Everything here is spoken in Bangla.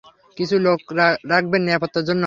কিছু লোক রাখবেন, নিরাপত্তার জন্য।